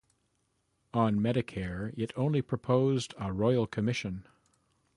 On Medicare, it only proposed a Royal Commission.